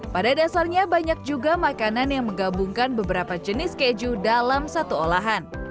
pada dasarnya banyak juga makanan yang menggabungkan beberapa jenis keju dalam satu olahan